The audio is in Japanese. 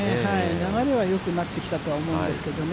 流れは良くなってきたと思うんですけどね。